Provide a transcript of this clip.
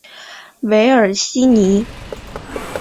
韦尔西尼。